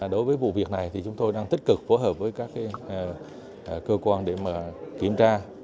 đối với vụ việc này thì chúng tôi đang tích cực phối hợp với các cơ quan để kiểm tra